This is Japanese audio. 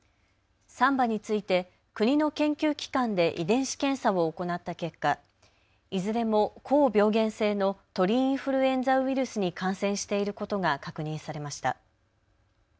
３羽について国の研究機関で遺伝子検査を行った結果、いずれも高病原性の鳥インフルエンザウイルスに感染していることが確認されました。